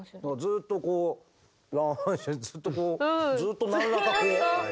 ずっとこう乱反射ずっとこうずっと何らかこう。